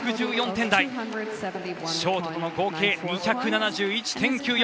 ショートとの合計は２７１．９４。